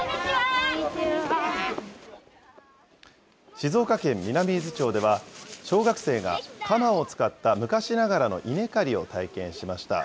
静岡県南伊豆町では、小学生が鎌を使った昔ながらの稲刈りを体験しました。